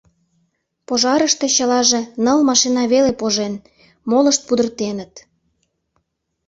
Пожарыште чылаже ныл машина веле пожен, молышт пудыртеныт.